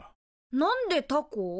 なんでタコ？